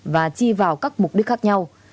và chi vào các mục đích khác nhau